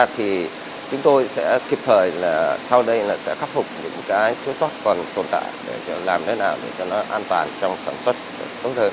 thì chúng tôi sẽ kịp thời là sau đây là sẽ khắc phục những cái thiếu sót còn tồn tại để làm thế nào để cho nó an toàn trong sản xuất công thơ